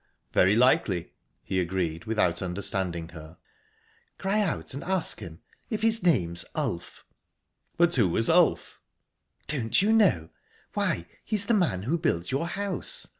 "Very likely," he agreed, without understanding her. "Cry out and ask him if his name's Ulf." "But who was Ulf?" "Don't you know? Why he's the man who built your house.